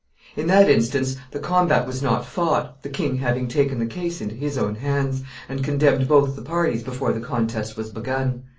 In that instance the combat was not fought, the king having taken the case into his own hands, and condemned both the parties before the contest was begun.